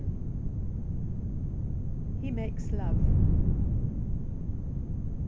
He Makes Love.